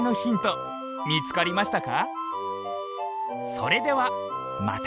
それではまた。